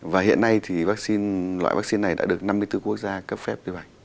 và hiện nay thì loại vaccine này đã được năm mươi bốn quốc gia cấp phép